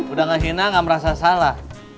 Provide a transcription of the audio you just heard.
udah ngehina gak merasa salah